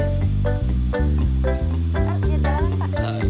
eh dia dalam pak